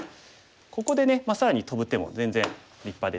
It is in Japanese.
ここでね更にトブ手も全然立派ですね。